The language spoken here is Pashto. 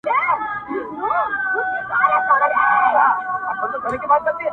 نن په رنګ د آیینه کي سر د میني را معلوم سو-